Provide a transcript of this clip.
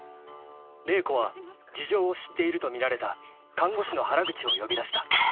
［麗子は事情を知っているとみられた看護師の原口を呼び出した］